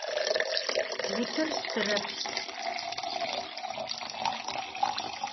Vutır stırep.